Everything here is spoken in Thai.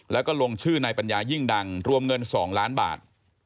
แล้วก็ลงชื่อนายปัญญายิ่งดังรวมเงิน๒ล้านบาท